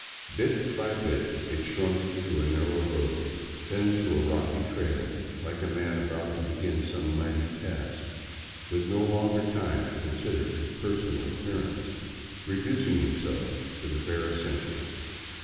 Bit by bit it shrunk to a narrow road, then to a rocky trail, like a man about to begin some mighty task, with no longer time to consider his personal appearance, reducing himself to the bare essentials.